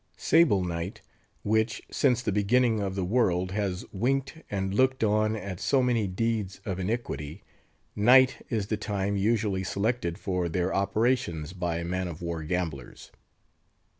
Sable night, which, since the beginning of the world, has winked and looked on at so many deeds of iniquity—night is the time usually selected for their operations by man of war gamblers.